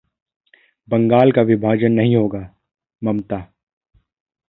बंगाल का विभाजन नहीं होगा: ममता